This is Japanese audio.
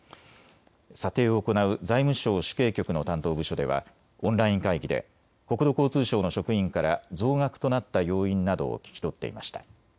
査定を行う財務省主計局の担当部署ではオンライン会議で国土交通省の職員から増額となった要因などを聞き取っていました。